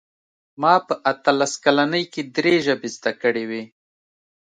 ما په اتلس کلنۍ کې درې ژبې زده کړې وې